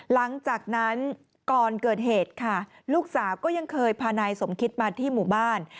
หลังจากนั้นก่อนเกิดเหตุค่ะลูกสาวก็ยังเคยพานายสมคิดมาที่หมู่บ้าน